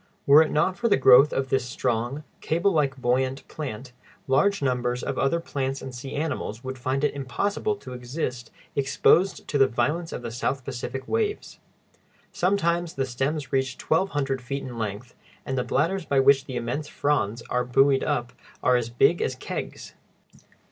Were it not for the growth of this strong, cable like, buoyant plant, large numbers of other plants and sea animals would find it impossible to exist exposed to the violence of the South Pacific waves. Sometimes the stems reach twelve hundred feet in length, and the bladders by which the immense fronds are buoyed up are as big as kegs.